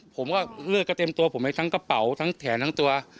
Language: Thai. ผมก็เลือดก็เต็มตัวผมไปทั้งกระเป๋าทั้งแขนทั้งตัว